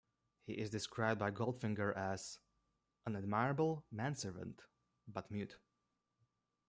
He is described by Goldfinger as "an admirable manservant but mute".